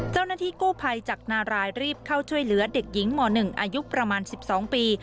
เจ้าหน้าที่กู้ภัยจากนารายรีบเข้าช่วยเหลือเด็กหญิงม๑อายุประมาณ๑๒ปี